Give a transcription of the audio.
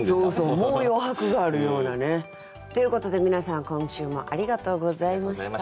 もう余白があるようなね。ということで皆さん今週もありがとうございました。